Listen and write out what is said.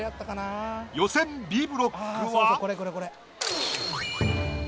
予選Ｂブロックは。